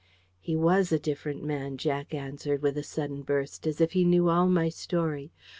"He WAS a different man," Jack answered, with a sudden burst, as if he knew all my story.